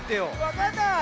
わかんない。